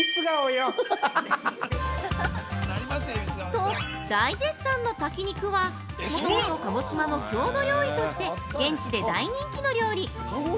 ◆と、大絶賛の「炊き肉」は、もともと鹿児島の郷土料理として現地で大人気の料理！